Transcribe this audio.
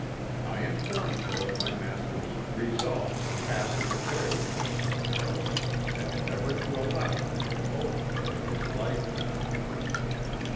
I informed her of my master's resolve to fasten the doors of the summer house and never to allow them to be opened during his lifetime.